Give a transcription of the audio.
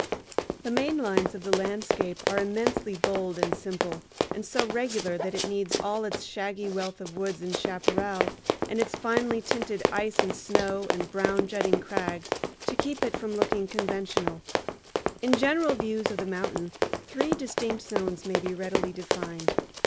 [Illustration: MOUNT SHASTA AFTER A SNOWSTORM] The main lines of the landscape are immensely bold and simple, and so regular that it needs all its shaggy wealth of woods and chaparral and its finely tinted ice and snow and brown jutting crags to keep it from looking conventional. In general views of the mountain three distinct zones may be readily defined.